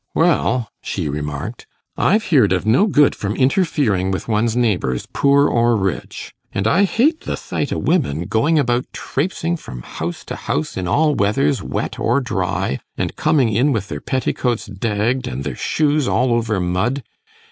'Well,' she remarked, 'I've heared of no good from interfering with one's neighbours, poor or rich. And I hate the sight o' women going about trapesing from house to house in all weathers, wet or dry, and coming in with their petticoats dagged and their shoes all over mud.